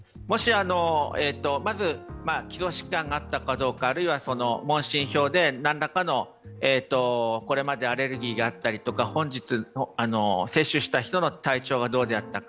まず、基礎疾患があったかどうかあるいは問診票で何らかのこれまでアレルギーがあったり本日接種した人の体調がどうであったか。